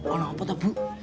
orang apa tuh bu